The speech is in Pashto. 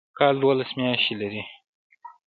کال دوولس میاشتې لري